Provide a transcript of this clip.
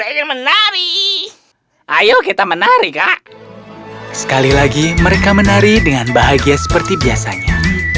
menari ayo kita menari kak sekali lagi mereka menari dengan bahagia seperti biasanya